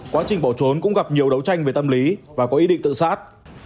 quá trình bỏ trốn cũng gặp nhiều đấu tranh về tâm lý và có ý định tự sát